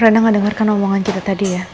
rena nggak dengarkan omongan kita tadi ya